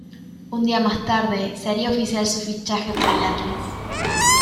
Un día más tarde se haría oficial su fichaje por el Atlas.